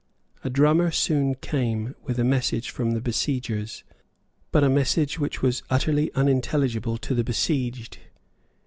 A drummer soon came with a message from the besiegers, but a message which was utterly unintelligible to the besieged.